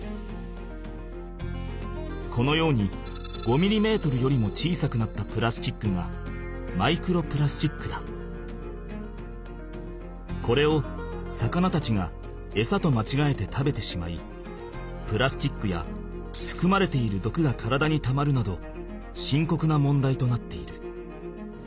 このように５ミリメートルよりも小さくなったプラスチックがこれを魚たちがエサとまちがえて食べてしまいプラスチックやふくまれているどくが体にたまるなどしんこくな問題となっている。